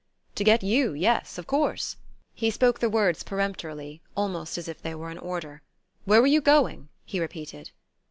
"To get you; yes. Of course." He spoke the words peremptorily, almost as if they were an order. "Where were you going?" he repeated.